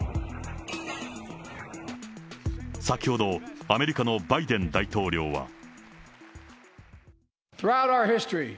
先ほど、アメリカのバイデン大統領は。